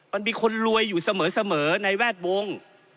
มันมีคนรวยอยู่เสมอในแวดวง